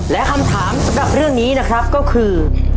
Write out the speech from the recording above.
และคำถามสำหรับเรื่องนี้นะครับก็คือ